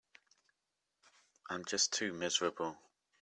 I'm just too miserable.